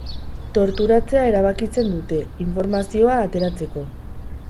Torturatzea erabakitzen dute, informazioa ateratzeko.